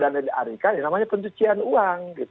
namanya pencucian uang